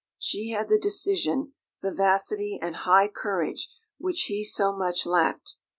She had the decision, vivacity, and high courage which he so much lacked.